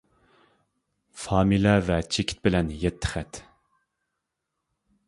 فامىلە ۋە چېكىت بىلەن يەتتە خەت.